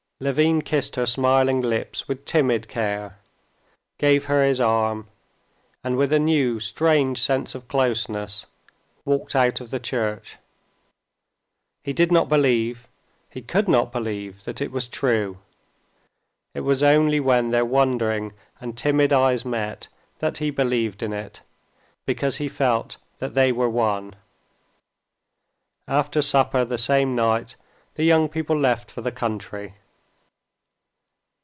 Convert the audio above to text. Levin kissed her smiling lips with timid care, gave her his arm, and with a new strange sense of closeness, walked out of the church. He did not believe, he could not believe, that it was true. It was only when their wondering and timid eyes met that he believed in it, because he felt that they were one. After supper, the same night, the young people left for the country.